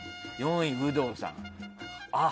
４位、有働さん。